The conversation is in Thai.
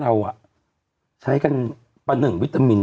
เราก็มีความหวังอะ